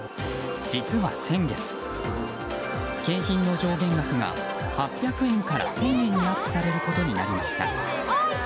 実は先月、景品の上限額が８００円から１０００円にアップされることになりました。